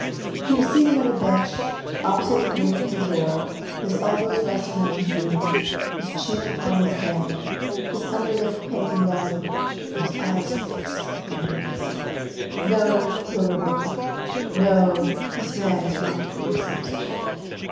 He was seated on a bench opposite the grating in the door, his elbows resting on his knees, his chin upon his hand, his under lip hanging low and his eyes fixed upon vacancy. "No," murmured Lecoq, "no, this man is not what he seems to be."